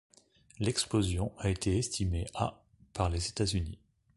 L’explosion a été estimée à par les États-Unis.